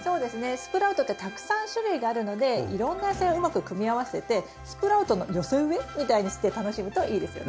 スプラウトってたくさん種類があるのでいろんな野菜をうまく組み合わせてスプラウトの寄せ植えみたいにして楽しむといいですよね。